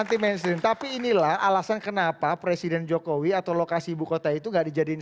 anti mainstream tapi inilah alasan kenapa presiden jokowi atau lokasi ibu kota itu nggak dijadiin